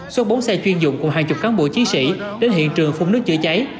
xuất bốn xe chuyên dụng cùng hai mươi cán bộ chí sĩ đến hiện trường phung nước chữa cháy